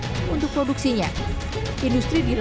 dan membuat ekonomi yang lebih kecil